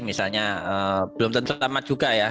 misalnya belum tentu amat juga ya